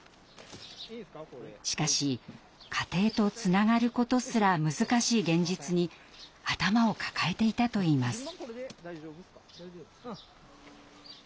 しかし家庭とつながることすら難しい現実に頭を抱えていたといいます。